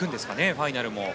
ファイナルも。